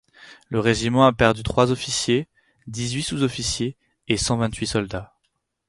Le régiment a perdu trois officiers, dix-huit sous-officiers, et cent vingt-huit soldats.